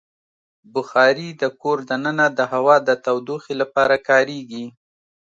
بخاري د کور دننه د هوا د تودوخې لپاره کارېږي.